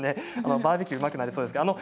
バーベキューがうまくなりそうですね。